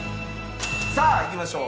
さあいきましょう。